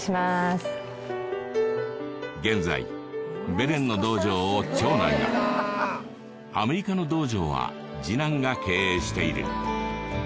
現在ベレンの道場を長男がアメリカの道場は次男が経営している